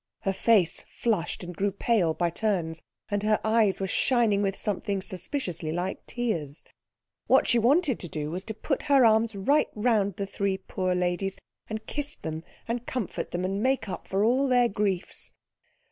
Her face flushed and grew pale by turns, and her eyes were shining with something suspiciously like tears. What she wanted to do was to put her arms right round the three poor ladies, and kiss them, and comfort them, and make up for all their griefs.